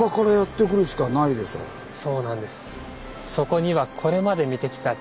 そうなんです。